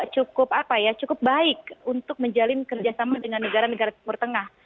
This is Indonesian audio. cukup apa ya cukup baik untuk menjalin kerjasama dengan negara negara timur tengah